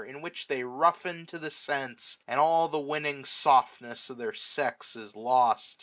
In which they roughen to the sense, and all The winning softness of their sex is lost.